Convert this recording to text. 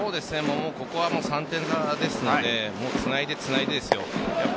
ここは３点差ですのでつないでつないでですよ。